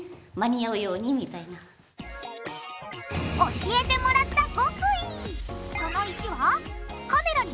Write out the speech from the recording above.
教えてもらった極意！